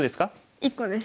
１個です。